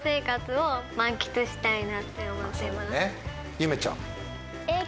ゆめちゃん。